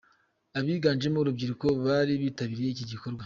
Abiganjemo urubyiruko bari bitabiriye iki gikorwa.